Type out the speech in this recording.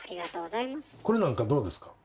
これなんかどうですか。